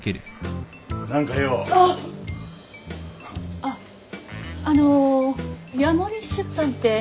あっあのヤモリ出版って？